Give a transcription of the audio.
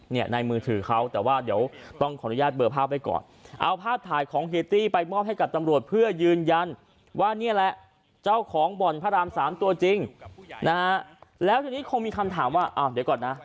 เนี่ยในมือถือเขาแต่ว่าเดี๋ยวต้องขออนุญาตเบอร์ภาพไว้ก่อน